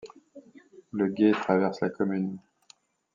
Le Gué traverse la commune.